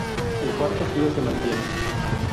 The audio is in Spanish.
El Cuarto Frío se mantiene.